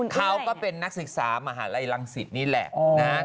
เขาก็เป็นนักศึกษามหาลัยรังศิษย์นี่แหละ